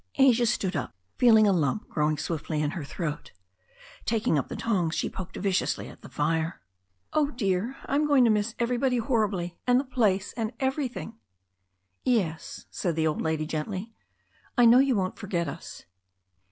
Asia stood up, feeling a lump growing swiftly in her throat. Taking up the tongs, she poked viciously at the fire. "Oh, dear! I am going to miss everybody horribly, and the place and everything." "Yes," said the old lady gently. "I know you won't for get us."